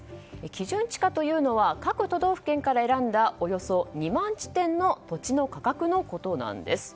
基準地価というのは各都道府県から選んだおよそ２万地点の土地の価格のことなんです。